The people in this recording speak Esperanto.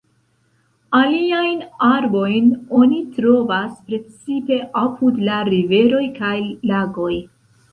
Aliajn arbojn oni trovas precipe apud la riveroj kaj lagoj.